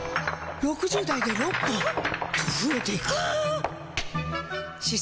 ６０代で６本と増えていく歯槽